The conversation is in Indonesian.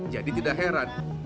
jadi tidak heran